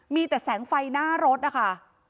มีแต่แสงไฟหน้ารถนะคะ